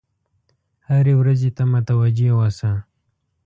هرې ورځې ته متوجه اوسه.